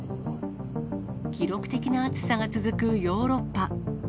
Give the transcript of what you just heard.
記録的な暑さが続くヨーロッパ。